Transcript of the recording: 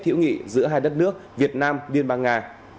hữu nghị giữa hai đất nước việt nam liên bang nga